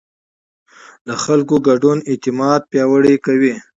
د خلکو ګډون اعتماد پیاوړی کوي